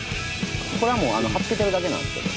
これはもう貼っ付けてるだけなんですけど。